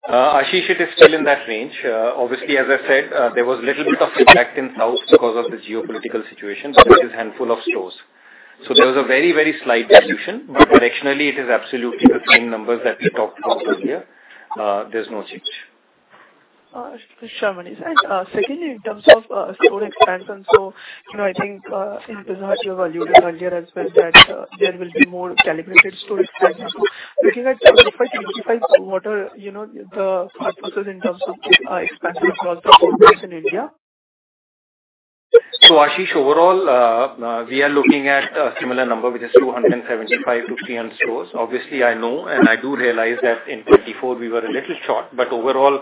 Ashish, it is still in that range. Obviously, as I said, there was a little bit of impact in South because of the geopolitical situation, but it is a handful of stores. So there was a very, very slight dilution, but directionally, it is absolutely the same numbers that we talked about earlier. There's no change. Sure, Manish. Secondly, in terms of store expansion, I think in Pizza Hut, you have alluded earlier as well that there will be more calibrated store expansion. Looking at 2025 to 2025 quarter, the part versus in terms of expansion across the whole place in India? So Ashish, overall, we are looking at a similar number, which is 275-300 stores. Obviously, I know and I do realize that in 2024, we were a little short, but overall,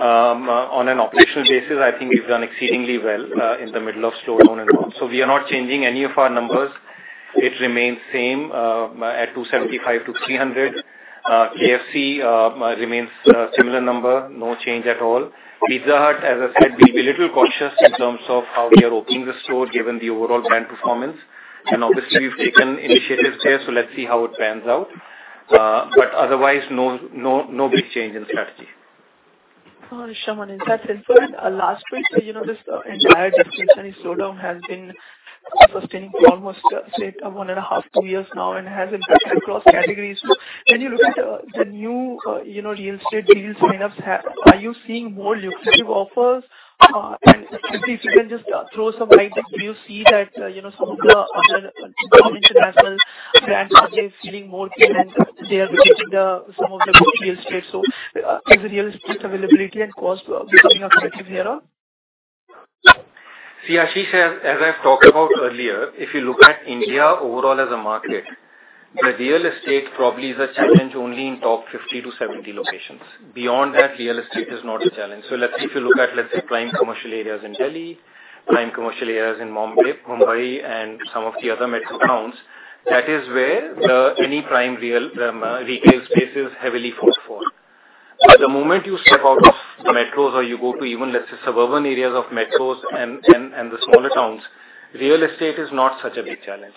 on an operational basis, I think we've done exceedingly well in the middle of slowdown and all. So we are not changing any of our numbers. It remains same at 275-300. KFC remains a similar number, no change at all. Pizza Hut, as I said, we'll be a little cautious in terms of how we are opening the store given the overall brand performance. And obviously, we've taken initiatives there, so let's see how it pans out. But otherwise, no big change in strategy. Sure, Manish. That's important. Last year, this entire discussion and slowdown has been sustaining for almost, say, 1.5-2 years now, and it has impacted across categories. So when you look at the new real estate deal sign-ups, are you seeing more lucrative offers? And if you can just throw some light, do you see that some of the other international brands are feeling more pain? They are rejecting some of the real estate. So is real estate availability and cost becoming a competitive edge? See, Ashish, as I've talked about earlier, if you look at India overall as a market, the real estate probably is a challenge only in top 50-70 locations. Beyond that, real estate is not a challenge. So let's say if you look at, let's say, prime commercial areas in Delhi, prime commercial areas in Mumbai, and some of the other metro towns, that is where any prime retail space is heavily fought for. But the moment you step out of the metros or you go to even, let's say, suburban areas of metros and the smaller towns, real estate is not such a big challenge.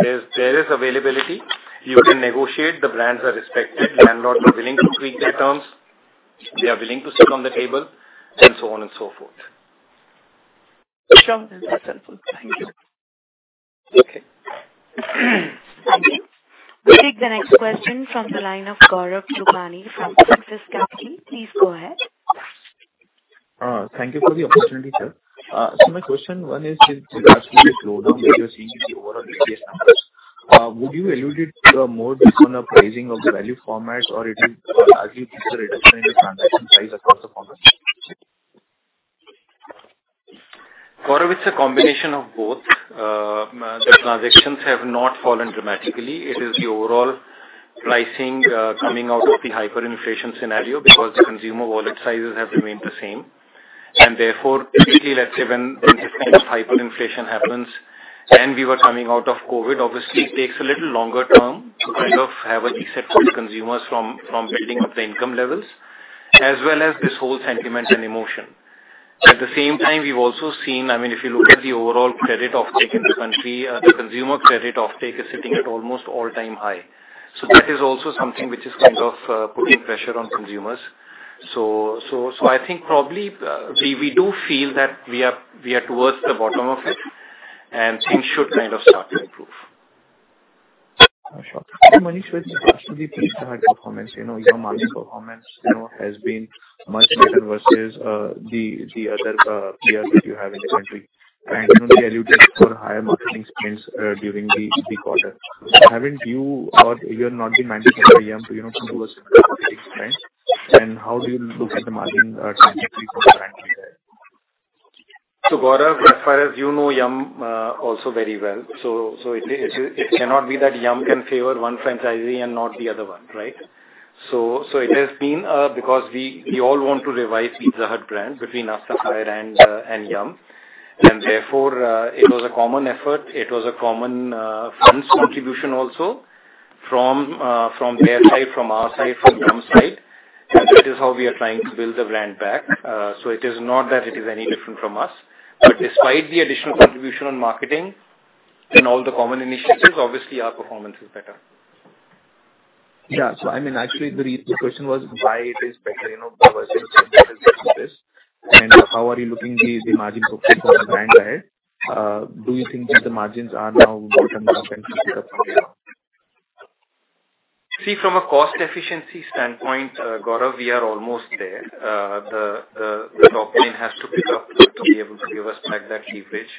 There is availability. You can negotiate. The brands are respected. Landlords are willing to tweak their terms. They are willing to sit on the table, and so on and so forth. Sure. That's helpful. Thank you. Okay. Thank you. We'll take the next question from the line of Gaurav Jogani from Axis Capital. Please go ahead. Thank you for the opportunity, sir. So my question, one, is in regards to the slowdown that you are seeing in the overall ADS numbers, would you allude more based on a pricing of the value format, or it is largely due to a reduction in the transaction size across the products? Gaurav, it's a combination of both. The transactions have not fallen dramatically. It is the overall pricing coming out of the hyperinflation scenario because the consumer wallet sizes have remained the same. Therefore, typically, let's say when this kind of hyperinflation happens and we were coming out of COVID, obviously, it takes a little longer term to kind of have a reset for the consumers from building up the income levels as well as this whole sentiment and emotion. At the same time, we've also seen, I mean, if you look at the overall credit offtake in the country, the consumer credit offtake is sitting at almost all-time high. That is also something which is kind of putting pressure on consumers. I think probably we do feel that we are towards the bottom of it, and things should kind of start to improve. Sure. Manish, with regards to the Pizza Hut performance, your market performance has been much better versus the other peers that you have in the country. You know they alluded to higher marketing spends during the quarter. Haven't you or you have not been managing for Yum to do a similar marketing spend? How do you look at the marketing strategy for the brand there? So Gaurav, as far as you know, Yum also very well. So it cannot be that Yum can favor one franchisee and not the other one, right? So it has been because we all want to revive Pizza Hut brand between us, Sapphire, and Yum. And therefore, it was a common effort. It was a common funds contribution also from their side, from our side, from Yum's side. And that is how we are trying to build the brand back. So it is not that it is any different from us. But despite the additional contribution on marketing and all the common initiatives, obviously, our performance is better. Yeah. So I mean, actually, the question was why it is better versus what is the difference, and how are you looking at the margin profit for the brand there? Do you think that the margins are now bottomed out and should pick up from there? See, from a cost efficiency standpoint, Gaurav, we are almost there. The top line has to pick up to be able to give us back that leverage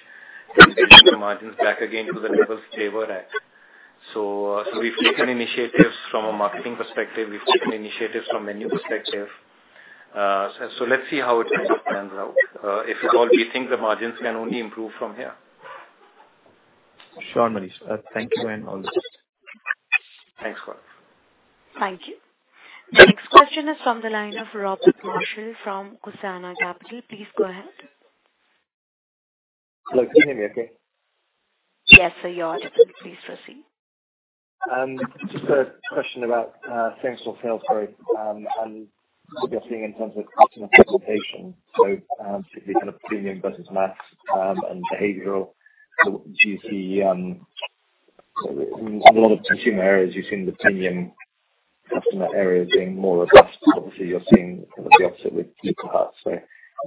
and bring the margins back again to the levels they were at. So we've taken initiatives from a marketing perspective. We've taken initiatives from a menu perspective. So let's see how it pans out if at all we think the margins can only improve from here. Sure, Manish. Thank you and all the best. Thanks, Gaurav. Thank you. The next question is from the line of Robert Marshall-Lee from Cusana Capital. Please go ahead. Hello. Can you hear me okay? Yes. You are definitely please proceed. Just a question about same-store sales growth and obviously in terms of customer segmentation. So typically, kind of premium versus mass and behavioral. So do you see in a lot of consumer areas, you've seen the premium customer areas being more robust. Obviously, you're seeing kind of the opposite with Pizza Hut. So it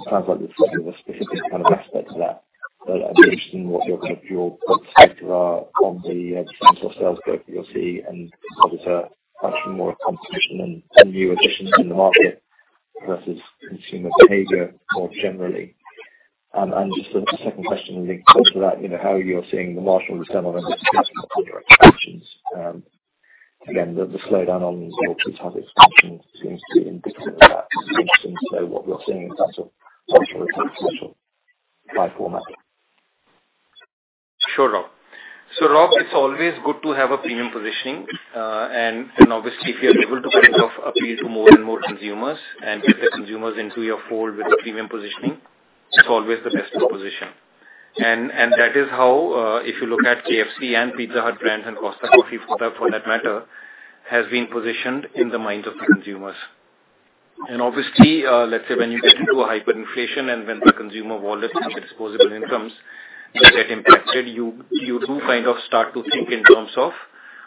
sounds like there's kind of a specific kind of aspect to that. But I'd be interested in what your kind of view or perspective are on the same-store sales growth that you'll see and whether it's a much more competition and new additions in the market versus consumer behavior more generally. And just a second question linked to that, how you're seeing the marginal return on investment in your expansions. Again, the slowdown on your Pizza Hut expansion seems to be indicative of that. I'm interested in what you're seeing in terms of marginal returns versus high format. Sure, Rob. So Rob, it's always good to have a premium positioning. And obviously, if you're able to kind of appeal to more and more consumers and get the consumers into your fold with the premium positioning, it's always the best proposition. And that is how, if you look at KFC and Pizza Hut brands and Costa Coffee for that matter, has been positioned in the minds of the consumers. And obviously, let's say when you get into a hyperinflation and when the consumer wallet and the disposable incomes get impacted, you do kind of start to think in terms of,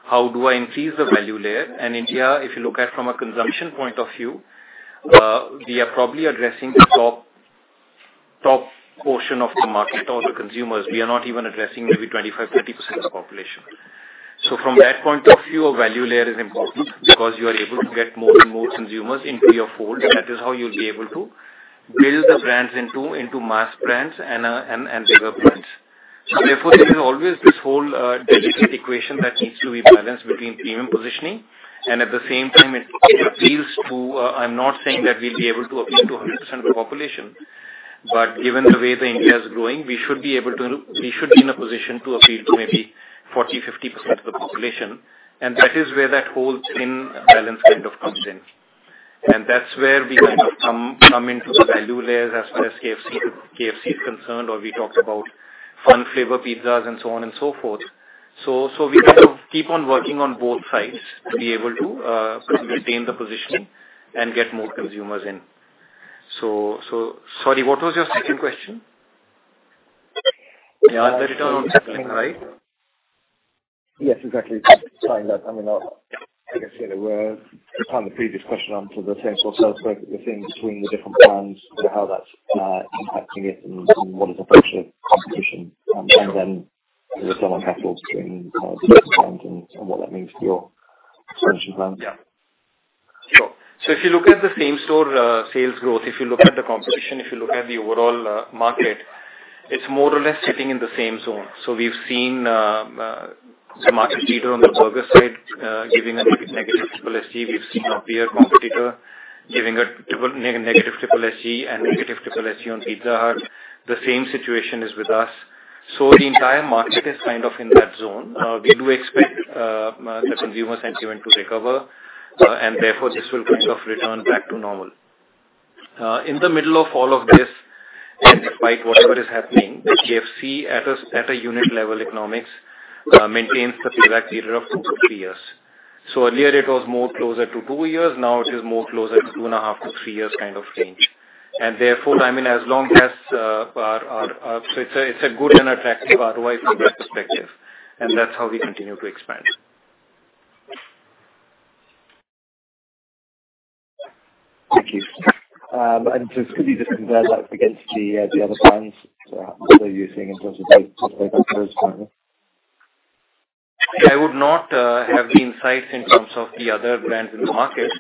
"How do I increase the value layer?" And India, if you look at from a consumption point of view, we are probably addressing the top portion of the market or the consumers. We are not even addressing maybe 25%-30% of the population. So from that point of view, a value layer is important because you are able to get more and more consumers into your fold. That is how you'll be able to build the brands into mass brands and bigger brands. So therefore, there is always this whole delicate equation that needs to be balanced between premium positioning. And at the same time, it appeals to. I'm not saying that we'll be able to appeal to 100% of the population. But given the way the India is growing, we should be able to. We should be in a position to appeal to maybe 40%-50% of the population. And that is where that whole fine balance kind of comes in. And that's where we kind of come into the value layers as far as KFC is concerned, or we talked about Flavour Fun pizzas and so on and so forth. We kind of keep on working on both sides to be able to maintain the positioning and get more consumers in. So sorry, what was your second question? Yeah, the return on capital, right? Yes, exactly. I mean, I guess, yeah, we'll turn the previous question on to the sales or sales growth that you're seeing between the different brands, how that's impacting it, and what is the approach to competition. And then the return on capital between the different brands and what that means for your expansion plans. Yeah. Sure. So if you look at the same store sales growth, if you look at the competition, if you look at the overall market, it's more or less sitting in the same zone. So we've seen the market leader on the burger side giving a negative SSSG. We've seen our peer competitor giving a negative SSSG and negative SSSG on Pizza Hut. The same situation is with us. So the entire market is kind of in that zone. We do expect the consumer sentiment to recover. And therefore, this will kind of return back to normal. In the middle of all of this and despite whatever is happening, KFC, at a unit-level economics, maintains the payback period of 2-3 years. So earlier, it was more closer to 2 years. Now, it is closer to 2.5-3 years kind of range. And therefore, I mean, as long as our so it's a good and attractive ROI from that perspective. And that's how we continue to expand. Thank you. And just could you just compare that against the other brands that you're seeing in terms of Pizza Hut currently? See, I would not have the insights in terms of the other brands in the market.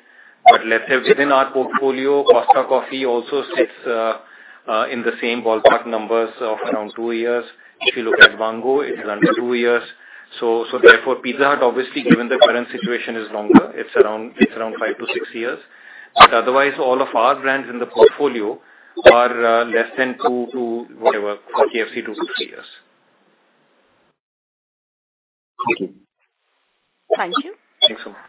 But let's say within our portfolio, Costa Coffee also sits in the same ballpark numbers of around 2 years. If you look at Vaango, it is under 2 years. So therefore, Pizza Hut, obviously, given the current situation is longer, it's around 5-6 years. But otherwise, all of our brands in the portfolio are less than 2 to whatever, for KFC, 2-3 years. Thank you. Thank you. Thanks so much.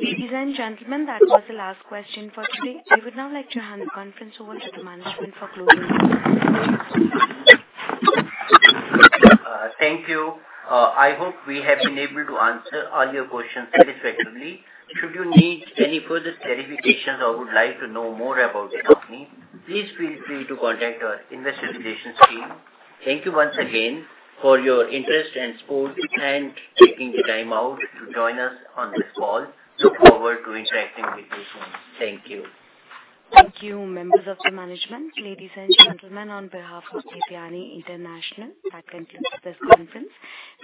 Ladies and gentlemen, that was the last question for today. I would now like to hand the conference over to the management for closing. Thank you. I hope we have been able to answer all your questions satisfactorily. Should you need any further clarifications or would like to know more about the company, please feel free to contact our investor relations team. Thank you once again for your interest and support and taking the time out to join us on this call. Look forward to interacting with you soon. Thank you. Thank you, members of the management. Ladies and gentlemen, on behalf of Devyani International, that concludes this conference.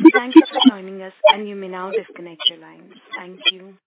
So thank you for joining us, and you may now disconnect your lines. Thank you.